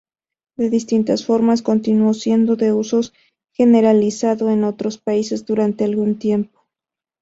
De distintas formas, continuó siendo de uso generalizado en otros países durante algún tiempo.